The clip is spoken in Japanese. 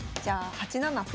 ８七歩？